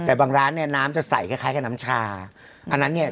แต่บางร้านเนี่ยน้ำจะใส่คล้ายคล้ายกับน้ำชาอันนั้นเนี่ย